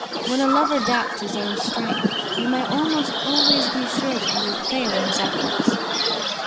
When a lover doubts his own strength, he may almost always be sure that he will fail in his efforts.